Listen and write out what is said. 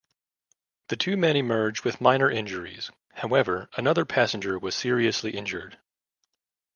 The two men emerged with minor injuries; however, another passenger was seriously injured.